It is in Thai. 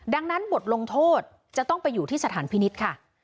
ดังนั้นบทลงโทษจะต้องไปอยู่ที่สถานพินิษฐ์ค่ะ